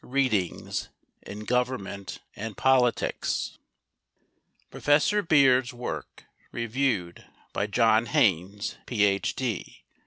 Readings in Government and Politics PROFESSOR BEARD'S WORK REVIEWED BY JOHN HAYNES, PH.D.